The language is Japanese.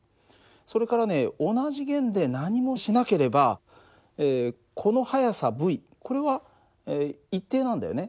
それからね同じ弦で何もしなければこの速さυこれは一定なんだよね。